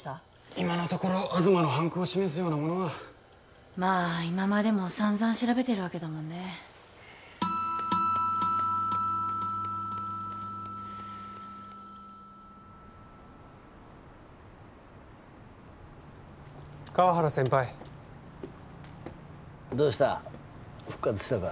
今のところ東の犯行を示すようなものはまあ今までも散々調べてるわけだもんね河原先輩どうした復活したか？